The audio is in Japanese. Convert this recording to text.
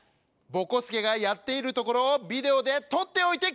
ぼこすけがやっているところをビデオでとっておいてください！